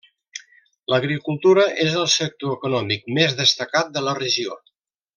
L'agricultura és el sector econòmic més destacat de la regió.